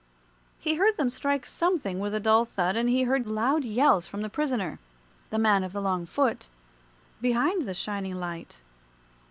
He heard them strike something with a dull thud, and he heard loud yells from the prisoner the man of the long foot behind the shining light.